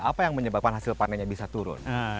apa yang menyebabkan hasil panennya bisa turun